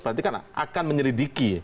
berarti kan akan menyelidiki